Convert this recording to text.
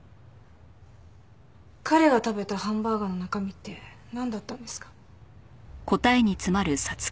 彼が食べたハンバーガーの中身ってなんだったんですか？